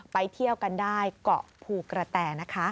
ไปเที่ยวกันได้เกาะภูกระแตนะคะ